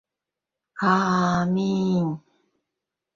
А-а-а-ми-инь!